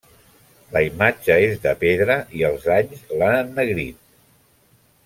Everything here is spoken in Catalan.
La imatge és de pedra i els anys l'han ennegrit.